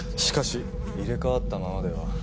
しかし入れ替わったままでは。